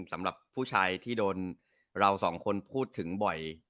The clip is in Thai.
สำหรับผู้ชายที่โดนเราสองคนพูดถึงบ่อย